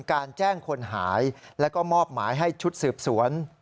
การแจ้งคนหายแล้วก็มอบหมายให้ชุดสืบสวน